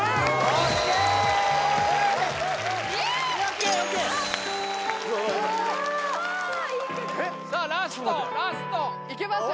ＯＫＯＫさあラストラストいけます？